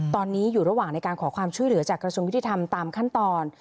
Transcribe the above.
ตอนนี้อยู่ระหว่างในการขอความช่วยเหลือจากกระทรวงยุติธรรมตามขั้นตอน